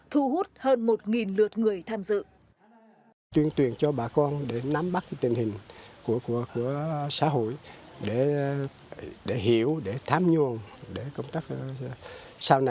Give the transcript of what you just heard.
thu hút hơn một lượt người tham dự